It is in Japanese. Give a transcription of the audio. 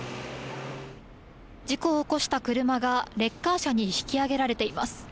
事故を起こした車がレッカー車に引き上げられています。